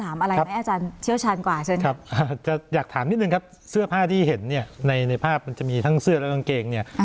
ตรงนั้นมันก็ไม่มีโต๊ะ